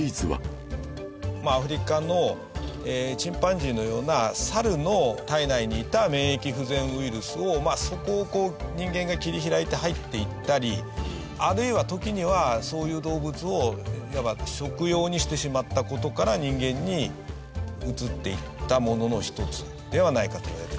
アフリカのチンパンジーのようなサルの体内にいた免疫不全ウイルスをそこをこう人間が切り開いて入っていったりあるいは時にはそういう動物をいわば食用にしてしまった事から人間にうつっていったものの一つではないかといわれています。